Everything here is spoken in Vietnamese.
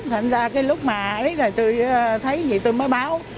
thành ra cái lúc mà thấy gì tôi mới báo